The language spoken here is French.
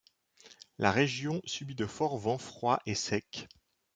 La région subit de forts vents froids et secs.